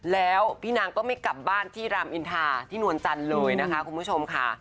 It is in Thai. แล้วพี่นางก็ไม่กลับบ้านที่รามอินทาที่นวลจันทร์เลยนะคะคุณผู้ชมค่ะ